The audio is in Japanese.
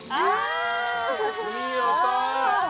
いい音！